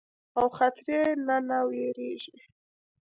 او خطري نه نۀ ويريږي